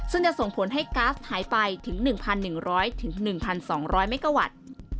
ซึ่งจะส่งผลให้ก๊าซหายไปถึง๑๑๐๐๑๒๐๐เมกาวัตต์